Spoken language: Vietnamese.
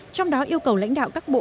trong đó yêu cầu lãnh đạo các bộ